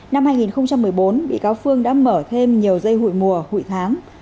năm hai nghìn một mươi bốn bị cáo phương đã mở thêm nhiều dây hụi mùa hụi tháng